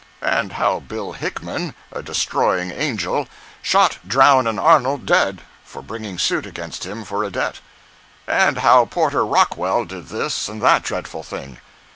And how Bill Hickman, a Destroying Angel, shot Drown and Arnold dead for bringing suit against him for a debt. And how Porter Rockwell did this and that dreadful thing.